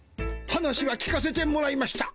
話は聞かせてもらいました。